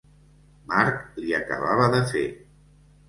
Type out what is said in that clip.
Marc li acabava de fer.